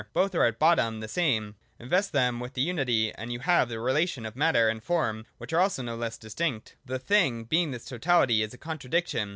Both are at bottom the same. Invest them with this unity, and you have the relation of Matter and Form, which are also no less distinct. 130.] The Thing, being this totality, is a contradiction.